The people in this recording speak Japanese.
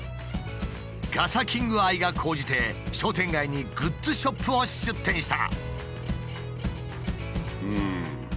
ガサキング愛が高じて商店街にグッズショップを出店した。